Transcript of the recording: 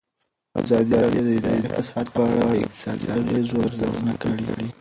ازادي راډیو د اداري فساد په اړه د اقتصادي اغېزو ارزونه کړې.